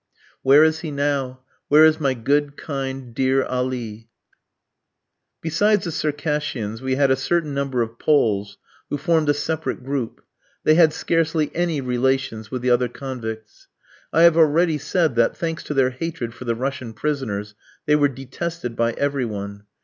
Where is he now, where is my good, kind, dear Ali? Besides the Circassians, we had a certain number of Poles, who formed a separate group. They had scarcely any relations with the other convicts. I have already said that, thanks to their hatred for the Russian prisoners, they were detested by every one.